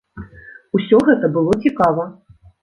Усё гэта было цікава.